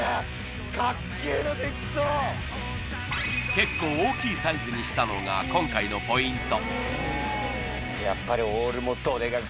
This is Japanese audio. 結構大きいサイズにしたのが今回のポイント